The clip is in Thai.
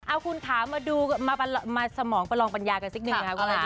เอาคุณค้ามาดูมาสมองประลองปัญญากันสิ้นหนึ่งนะครับคุณค้า